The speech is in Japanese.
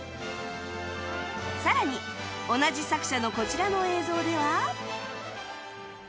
更に同じ作者のこちらの映像では